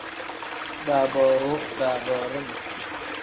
Daabooruu pl: daaboorini n.